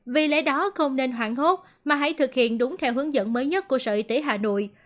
vì lẽ đó không nên hoảng hốt mà hãy thực hiện đúng theo hướng dẫn mới nhất của sở y tế hà nội